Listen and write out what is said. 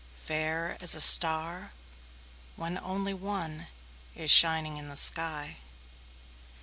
–Fair as a star, when only one Is shining in the sky.